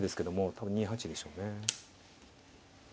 多分２八でしょうね。